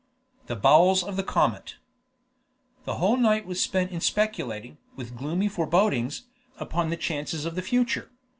THE BOWELS OF THE COMET The whole night was spent in speculating, with gloomy forebodings, upon the chances of the future.